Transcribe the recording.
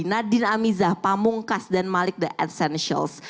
nadine amizah pamungkas dan malik the essentials